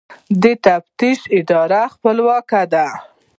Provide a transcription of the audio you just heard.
د تفتیش اداره خپلواکه ده؟